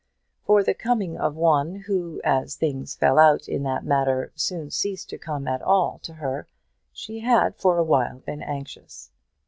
For the coming of one, who, as things fell out in that matter, soon ceased to come at all to her, she had for a while been anxious.